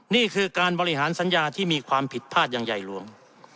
นี่คือการบริหารสัญญาที่มีความผิดพลาดอย่างใหญ่หลวง